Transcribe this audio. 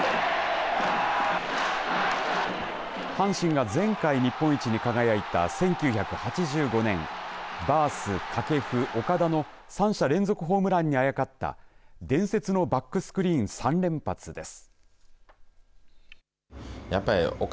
阪神が前回日本一に輝いた１９８５年バース、掛布、岡田の３者連続ホームランにあやかった伝説のバックスクリーン三連発！です。